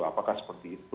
apakah seperti itu